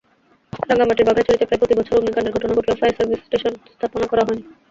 রাঙামাটির বাঘাইছড়িতে প্রায় প্রতিবছর অগ্নিকাণ্ডের ঘটনা ঘটলেও ফায়ার সার্ভিস স্টেশন স্থাপন করা হয়নি।